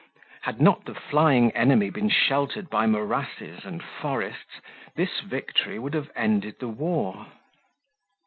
Had not the flying enemy been sheltered by morasses and forests, this victory would have ended the war.